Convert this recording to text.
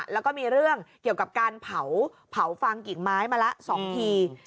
แล้วก็มีเรื่องเกี่ยวกับการเผาฟางกิ่งไม้มาละ๒ที